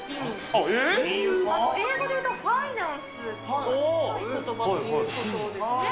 英語で言うと、ファイナンスに近いことばということですね。